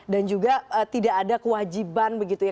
dan juga tidak ada kewajiban begitu ya